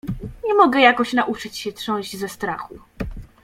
"Nie mogę jakoś nauczyć się trząść ze strachu."